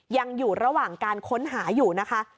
ยังอยู่ระหว่างการค้นหาอยู่นะคะ